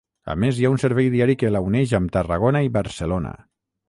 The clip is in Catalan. A més hi ha un servei diari que la uneix amb Tarragona i Barcelona.